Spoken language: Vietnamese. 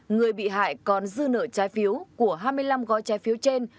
người bị hại còn dư nợ trái phiếu của hai mươi năm gói trái phiếu trên